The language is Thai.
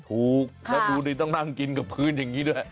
ถูกถ้าตัวนี้ต้องนั่งกินกับพื้นอย่างนี้ด้วย